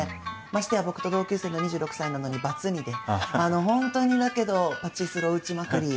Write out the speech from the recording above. ましてや僕と同級生の２６歳なのにバツ２で本当にだけどパチスロを打ちまくり。